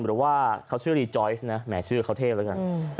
หรือว่าเขาชื่อรีจอยซ์นะแหมชื่อเขาเทพแล้วกัน